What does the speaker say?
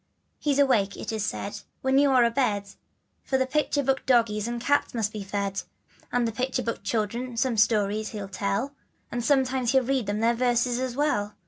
He's awake it is said when you are abed, For the picture book doggies and cats must be fed, To the picture book children some stories he'll tell, And sometimes he'll read them their verses as well.